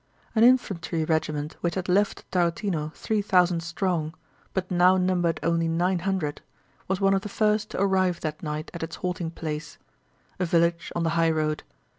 An infantry regiment which had left Tarútino three thousand strong but now numbered only nine hundred was one of the first to arrive that night at its halting place—a village on the highroad.